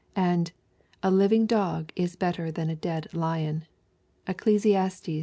And " a living dog is better than a dead lion/' (Eccles.